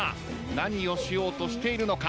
何をしようとしているのか？